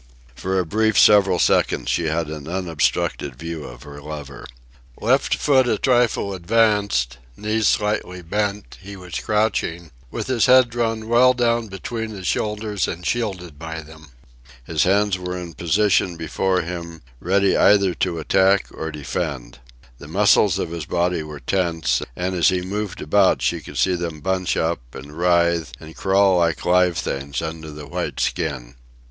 For a brief several seconds she had an unobstructed view of her lover. Left foot a trifle advanced, knees slightly bent, he was crouching, with his head drawn well down between his shoulders and shielded by them. His hands were in position before him, ready either to attack or defend. The muscles of his body were tense, and as he moved about she could see them bunch up and writhe and crawl like live things under the white skin.